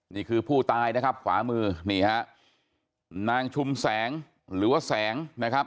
นี่คือผู้ตายนะครับขวามือนี่ฮะนางชุมแสงหรือว่าแสงนะครับ